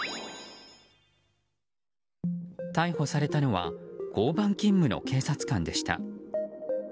逮捕されたのは交番勤務の警察官でした。